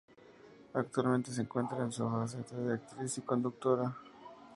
Actualmente se encuentra en su faceta de actriz y conductora.